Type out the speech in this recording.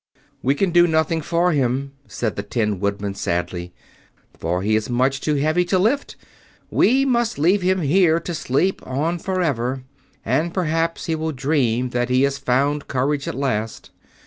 "We can do nothing for him," said the Tin Woodman, sadly; "for he is much too heavy to lift. We must leave him here to sleep on forever, and perhaps he will dream that he has found courage at last."